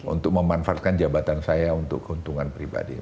untuk memanfaatkan jabatan saya untuk keuntungan pribadi